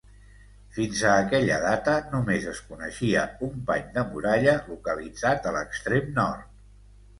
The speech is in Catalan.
Fins a aquella data només es coneixia un pany de muralla localitzat a l'extrem nord.